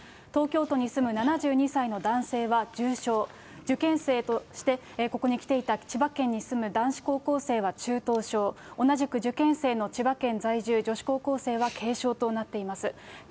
東京都に住む７２歳の男性は重傷、受験生としてここに来ていた千葉県に住む男子高校生は中等傷、同じく受験生の千葉県在住、女子高校生は軽傷となっています。